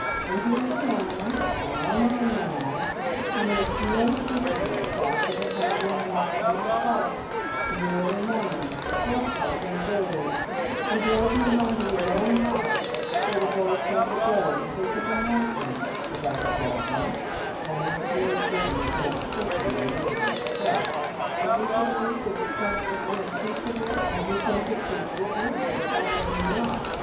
And here's a man, a well known man, who makes no secret of the fact that he found him wandering in the Park, in the early morning, breathless and dazed, and drove him home to his own house, where the boy spent the day; they took a hansom, the doctor tells me, than which no statement is more quickly and easily checked. Are we to believe this apparently unimpeachable and disinterested witness, or are we not?